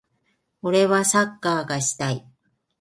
俺はサッカーがしたい。